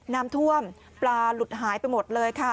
น้ำท่วมปลาหลุดหายไปหมดเลยค่ะ